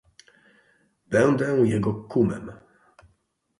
"Będę jego kumem."